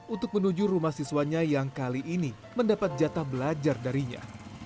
untuk menuju rumah siswanya yang kali ini mendapat jatah belajar darinya